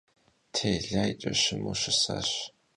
Telayç'e şımu şısaş.